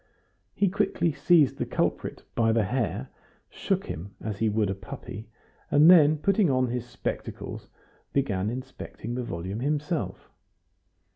He quietly seized the culprit by the hair, shook him as he would a puppy, and then, putting on his spectacles, began inspecting the volume himself.